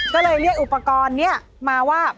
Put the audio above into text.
ก็เลยเรียกอุปกรณ์นี้มาว่า